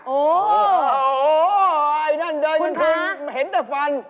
โอ้โฮไอ้นั่นเดินถึงเห็นแต่ฟันคุณคะ